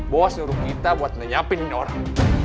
bos nyuruh kita buat ngenyapin orang